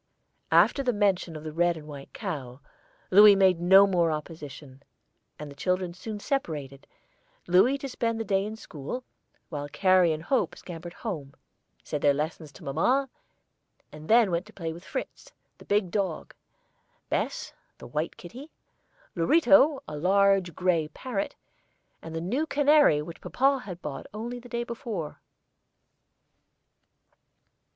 After the mention of the red and white cow, Louis made no more opposition, and the children soon separated, Louis to spend the day in school while Carrie and Hope scampered home, said their lessons to mamma, and then went to play with Fritz, the big dog, Bess, the white kitty, Lorito, a large gray parrot, and the new canary which papa had bought only the day before.